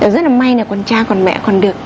rất là may là con cha còn mẹ còn được